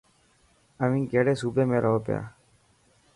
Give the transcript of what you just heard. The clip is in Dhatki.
اوين ڪهڙي صوبي ۾ رهو پيا.